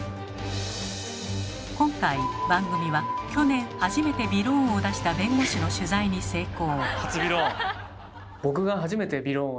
今回番組は去年初めてびろーんを出した弁護士の取材に成功。